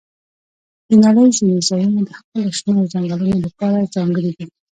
د نړۍ ځینې ځایونه د خپلو شنو ځنګلونو لپاره ځانګړي دي.